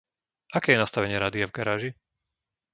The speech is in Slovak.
Aké je nastavenie rádia v garáži?